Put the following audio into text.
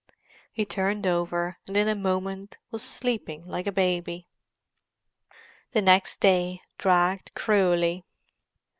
He turned over, and in a moment was sleeping like a baby. The next day dragged cruelly.